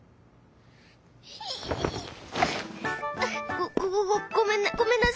ごごごごごめんなごめんなさ！」。